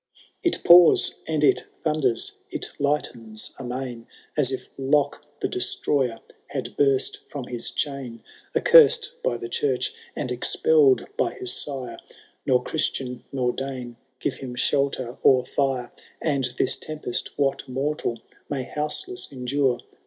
XV. *' It pours and it thunders, it lightens amain. As if Lok, the Destroyer, had burst from his chain ! Accursed by the church, and expeU^d by his sire. Nor Christian nor Dane give him shelter or fire. And this tempest what mortal may houseless endure